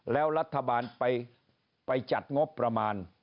แล้วรัฐบาลไปจัดงบประมาณ